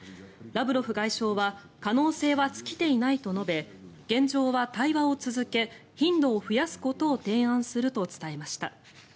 ラブロフ外相は可能性は尽きていないと述べ現状は対話を続け頻度を増やすことを提案すると伝えました。